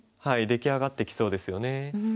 はい出来上がってきそうですよね。